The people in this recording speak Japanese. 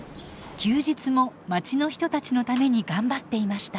休日もまちの人たちのために頑張っていました。